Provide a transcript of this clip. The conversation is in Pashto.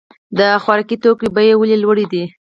د خوراکي توکو بیې ولې لوړې دي؟